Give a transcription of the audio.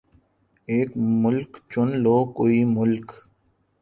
ایک مُلک چُن لو کوئی مُلک